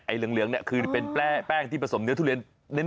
เหลืองเนี่ยคือเป็นแป้งที่ผสมเนื้อทุเรียนเน้น